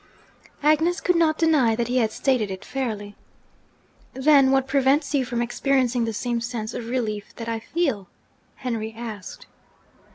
Agnes could not deny that he had stated it fairly. "Then what prevents you from experiencing the same sense of relief that I feel?' Henry asked.